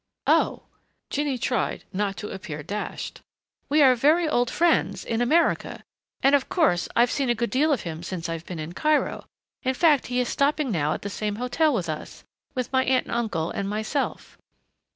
"Oh !" Jinny tried not to appear dashed. "We are very old friends in America and of course I've seen a good deal of him since I've been in Cairo. In fact, he is stopping now at the same hotel with us with my aunt and uncle and myself."